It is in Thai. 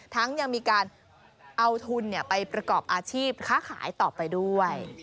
ยังมีการเอาทุนไปประกอบอาชีพค้าขายต่อไปด้วย